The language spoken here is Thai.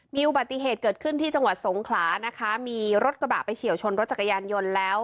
มีอุบัติเหตุเกิดขึ้นที่จังหวัดสงขลานะคะมีรถกระบะไปเฉียวชนรถจักรยานยนต์แล้ว